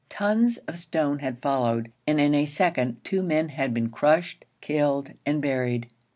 Tons of stone had followed, and in a second, two men had been crushed, killed, and buried.